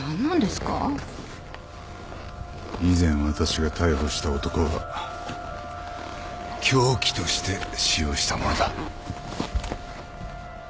以前私が逮捕した男が凶器として使用した物だ。